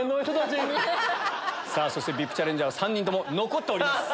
ＶＩＰチャレンジャー３人とも残ってます。